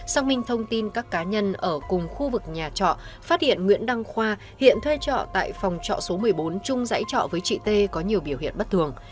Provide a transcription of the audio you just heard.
xác minh thông tin các cá nhân ở cùng khu vực nhà trọ phát hiện nguyễn đăng khoa hiện thuê trọ tại phòng trọ số một mươi bốn chung dãy trọ với chị t có nhiều biểu hiện bất thường